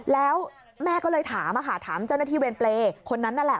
แล้วแม่ก็เลยถามค่ะถามเจ้าหน้าที่เวรเปรย์คนนั้นนั่นแหละ